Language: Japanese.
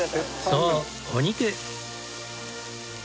そうお肉。